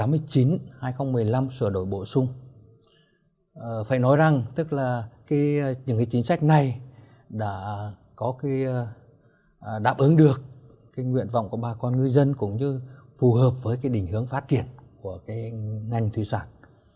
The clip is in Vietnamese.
bởi vì những cơ chế chính sách trước đây đã đạt được các nguyện vọng của bà con ngư dân và kết hợp với đỉnh hướng phát triển ngành thủy sản